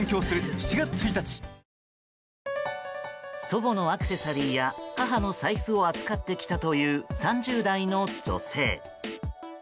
祖母のアクセサリーや母の財布を預かってきたという３０代の女性。